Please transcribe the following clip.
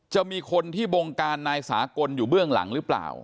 จะมีคนที่บงการนายสากลอยู่เบื้องหลังหรือเปล่า